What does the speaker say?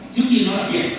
trước kia nó là biển